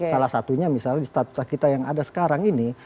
salah satunya misalnya di statuta kita yang ada sekarang ini